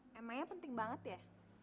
emangnya penting banget ya